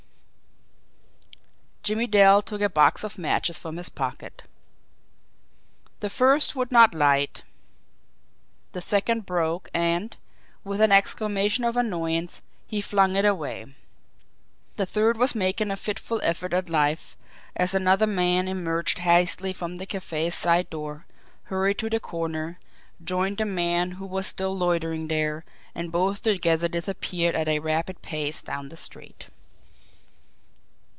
Jimmie Dale took a box of matches from his pocket. The first would not light. The second broke, and, with an exclamation of annoyance, he flung it away. The third was making a fitful effort at life, as another man emerged hastily from the cafe's side door, hurried to the corner, joined the man who was still loitering there, and both together disappeared at a rapid pace down the street.